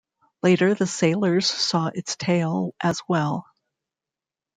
Later the sailors saw its tail as well.